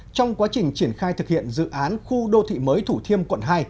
trong quá trình triển khai thực hiện dự án khu đô thị mới thủ thiêm quận hai